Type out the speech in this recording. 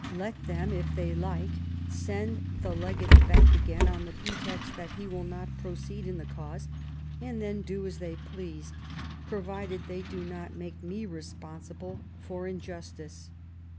Let them, if they like, send the legate back again, on the pretext that he will not proceed in the cause, and then do as they please, provided they do not make me responsible for injustice."